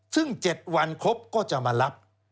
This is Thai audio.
ซึ่ง๗วันครบก็จะมารับ